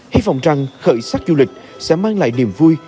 hy vọng rằng khởi sắc du lịch sẽ mang lại niềm vui